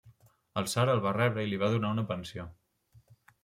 El tsar el va rebre i li va donar una pensió.